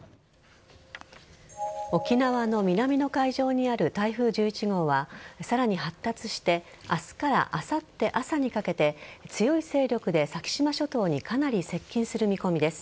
沖縄の南の海上にある台風１１号はさらに発達して明日からあさって朝にかけて強い勢力で先島諸島にかなり接近する見込みです。